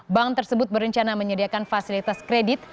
bank tersebut berencana menyediakan fasilitas kredit